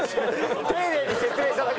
丁寧に説明しただけ。